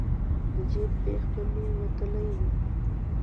د جیب بیخ به مې وتلی و.